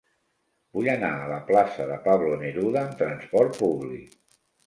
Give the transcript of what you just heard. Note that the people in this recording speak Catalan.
Vull anar a la plaça de Pablo Neruda amb trasport públic.